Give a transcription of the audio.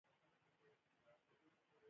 سوالګر ته دا وښایه چې انسان دی